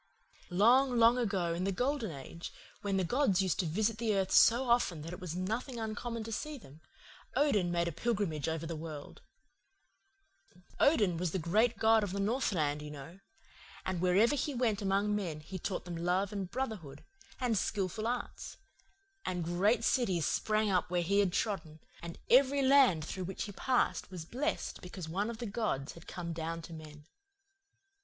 "Long, long ago, in the Golden Age, when the gods used to visit the earth so often that it was nothing uncommon to see them, Odin made a pilgrimage over the world. Odin was the great god of the northland, you know. And wherever he went among men he taught them love and brotherhood, and skilful arts; and great cities sprang up where he had trodden, and every land through which he passed was blessed because one of the gods had come down to men.